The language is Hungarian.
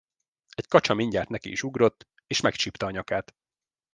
Egy kacsa mindjárt neki is ugrott, és megcsípte a nyakát.